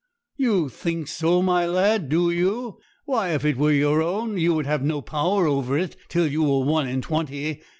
'You think so, my lad, do you? Why, if it were your own, you would have no power over it till you are one and twenty.